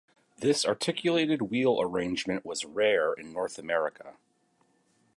This articulated wheel arrangement was rare in North America.